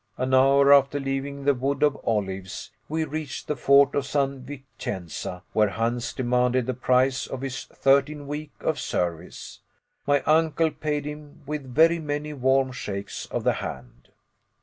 An hour after leaving the wood of olives, we reached the fort of San Vicenza, where Hans demanded the price of his thirteenth week of service. My uncle paid him, with very many warm shakes of the hand.